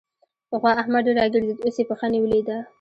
پخوا احمد ډېر راګرځېد؛ اوس يې پښه نيولې ده.